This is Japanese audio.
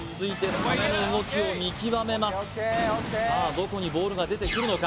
どこにボールが出てくるのか？